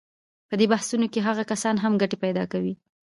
په دې بحثونو کې هغه کسان هم ګټې پیدا کوي.